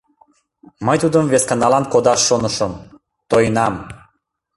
Мый Тудым весканалан кодаш шонышым, тоенам...